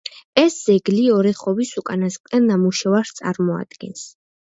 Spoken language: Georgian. ეს ძეგლი ორეხოვის უკანასკნელ ნამუშევარს წარმოადგენს.